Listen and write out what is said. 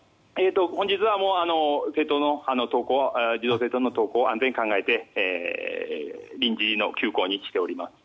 本日は児童・生徒の登校は安全を考えて臨時の休校にしております。